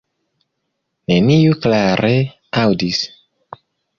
Neniu klare aŭdis.